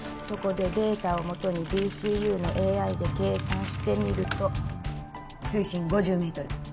そこでデータをもとにＤＣＵのＡＩで計算してみると水深５０メートル